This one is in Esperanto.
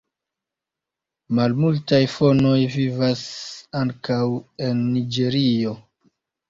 Malmultaj fonoj vivas ankaŭ en Niĝerio.